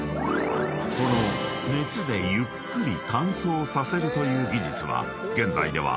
［この熱でゆっくり乾燥させるという技術は現在では］